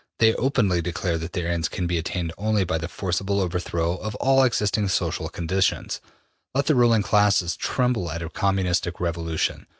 They openly declare that their ends can be attained only by the forcible overthrow of all existing social conditions. Let the ruling classes tremble at a Communistic revolution.